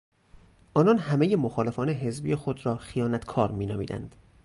آنان همه مخالفان حزبی خود را خیانتکار مینامیدند.